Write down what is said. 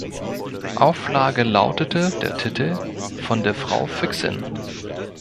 Auflage lautete der Titel "Von der Frau Füchsin".